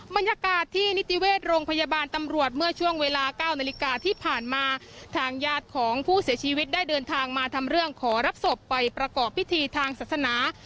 บรรยากาศที่นิติเวชโรงพยาบาลตำรวจเมื่อช่วงเวลา๙นาฬิกาที่ผ่านมาทางญาติของผู้เสียชีวิตได้เดินทางมาทำเรื่องขอรับศพไปประกอบพิธีทางศาสนา